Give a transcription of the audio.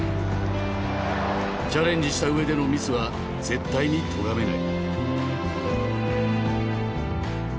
チャレンジした上でのミスは絶対にとがめない。